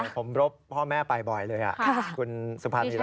ผมรบพ่อแม่ไปบ่อยเลยคุณสุภานี